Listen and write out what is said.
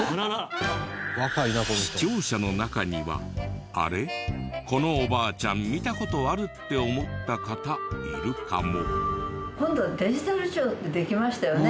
視聴者の中には「あれっ？このおばあちゃん見た事ある」って思った方いるかも。